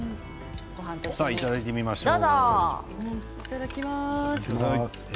さあいただいてみましょう。